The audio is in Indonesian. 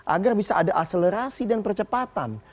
agar bisa ada akselerasi dan percepatan